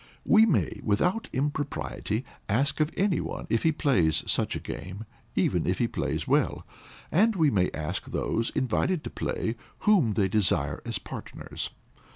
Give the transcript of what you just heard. We may, without impropriety, ask of any one if he plays such a game, even if he plays well; and we may ask those invited to play, whom they desire as partners.